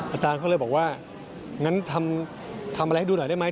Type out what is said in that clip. อาจารย์เขาเลยบอกว่างั้นทำอะไรให้ดูหน่อยได้ไหม